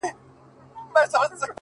اوس دادی!!